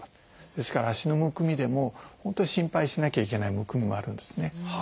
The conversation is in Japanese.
ですから足のむくみでも本当に心配しなきゃいけないむくみもあるんですね。